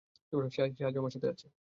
সে আজও আমার সাথে আছে।